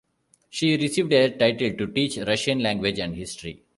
She received a title to teach Russian language and history.